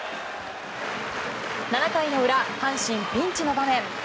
７回の裏、阪神ピンチの場面。